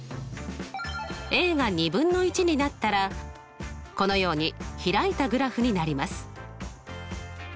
がになったらこのように開いたグラフになります。